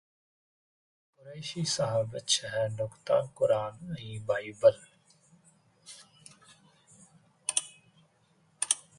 قريشي صاحب ڇهه نقطا قرآن ۽ بائبل